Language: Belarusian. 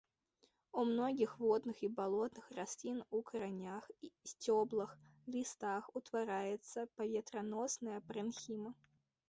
У многіх водных і балотных раслін у каранях, сцёблах, лістах утвараецца паветраносная парэнхіма.